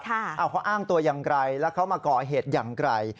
เขาอ้างตัวอย่างไรแล้วเขามาก่อเหตุอย่างไกล